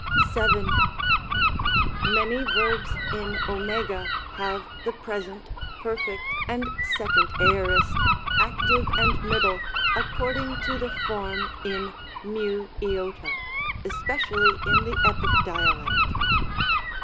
VII. Many verbs in 6? have the Present, Perfect, and 2d Aorist, Act. and Mid., according to the form in ^/, especially in the Epic Dialect.